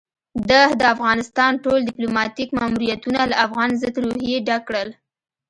ده د افغانستان ټول ديپلوماتيک ماموريتونه له افغان ضد روحيې ډک کړل.